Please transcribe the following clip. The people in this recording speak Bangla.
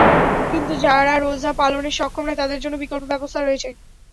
কিন্তু যারা রোজা পালনে সক্ষম নয়, তাদের জন্য বিকল্প ব্যবস্থা রয়েছে।